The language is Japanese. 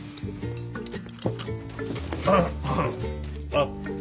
あっ。